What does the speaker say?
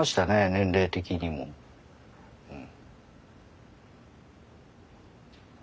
年齢的にもうん。